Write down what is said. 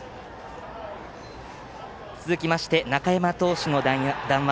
続きまして中山投手の談話